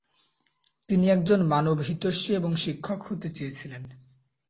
তিনি একজন মানবহিতৈষী এবং শিক্ষক হতে চেয়েছিলেন।